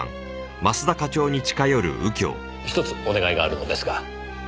ひとつお願いがあるのですが。